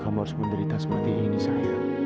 kenapa kamu harus menderita seperti ini sayang